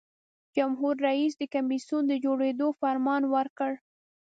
جمهور رئیس د کمیسیون د جوړیدو فرمان ورکړ.